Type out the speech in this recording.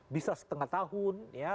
bisa setengah tahun ya